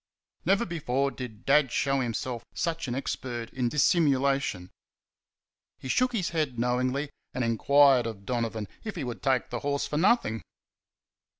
Never before did Dad show himself such an expert in dissimulation. He shook his head knowingly, and enquired of Donovan if he would take the horse for nothing.